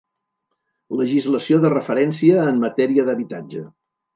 Legislació de referència en matèria d'habitatge.